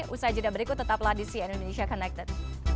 usaha jeda berikut tetaplah di cnn indonesia connected